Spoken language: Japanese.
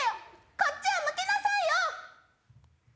こっちを向きなさいよ！